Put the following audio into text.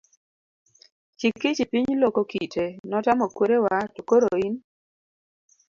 Chikichi piny loko kite ,notamo kwerewa, to koro in?